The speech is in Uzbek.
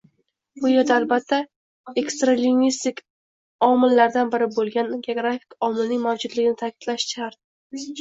Bu yerda, albatta, ekstralingvistik omillardan biri bo‘lgan geografik omilning mavjudligini ta’kidlash shart.